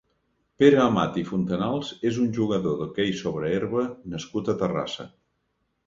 Pere Amat i Fontanals és un jugador d'hoquei sobre herba nascut a Terrassa.